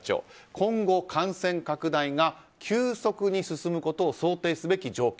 今後、感染拡大が急速に進むことを想定すべき状況。